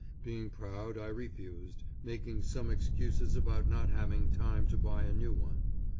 Being proud, I refused, making some excuses about not having time to buy a new one.